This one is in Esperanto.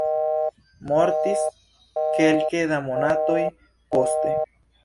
Mortis kelke da monatoj poste.